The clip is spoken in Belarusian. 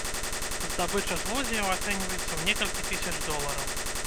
Здабыча злодзеяў ацэньваецца ў некалькі тысяч долараў.